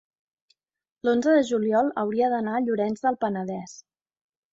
l'onze de juliol hauria d'anar a Llorenç del Penedès.